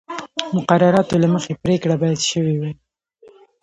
مقرراتو له مخې پرېکړه باید شوې وای